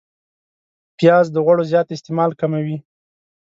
پیاز د غوړو زیات استعمال کموي